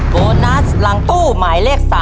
โบนัสหลังตู้หมายเลข๓